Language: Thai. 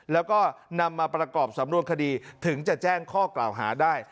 แล้วก็นำมาประกอบสำนวนคดีถึงจะแจ้งข้อกล่าวหาได้